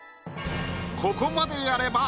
ここまでやれば